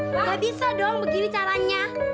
wah bisa dong begini caranya